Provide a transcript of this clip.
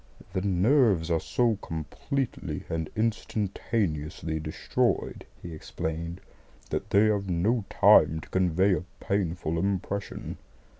"The nerves are so completely and instantaneously destroyed," he explained, "that they have no time to convey a painful impression."